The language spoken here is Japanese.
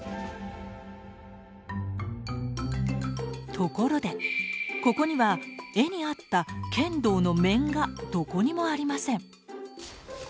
ところでここには絵にあった剣道の面がどこにもありません。